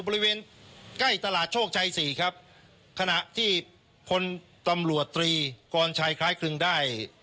บริเวณใกล้ตลาดโชคชัยสี่ครับขณะที่พลตำรวจตรีกรชัยคล้ายครึ่งได้